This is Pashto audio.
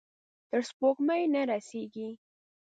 تر سپوږمۍ نه رسیږې